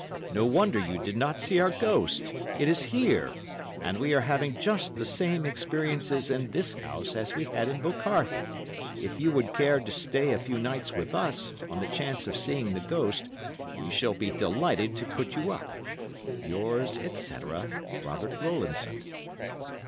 No wonder you did not see our ghost! It is here, and we are having just the same experiences in this house as we had in "Bocarthe." If you would care to stay a few nights with us, on the chance of seeing the ghost, we shall be delighted to put you up. Yours, etc., ROBERT ROWLANDSON.